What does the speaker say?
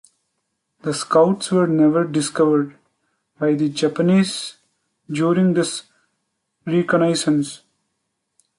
The scouts were never discovered by the Japanese during this reconnaissance.